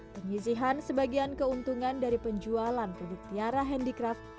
penyisihan sebagian keuntungan dari penjualan produk tiara handicraft